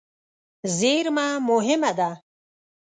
زېرمه مهمه ده.